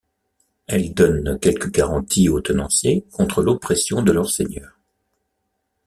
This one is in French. Elles donnent quelques garanties aux tenanciers contre l'oppression de leurs seigneurs.